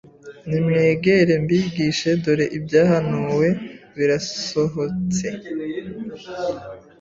nimwegere mbigishe dore ibyahanuwe birasohotse